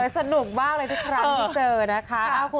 สนุกมากเลยทุกครั้งเห็นเจอน่ะนะคะ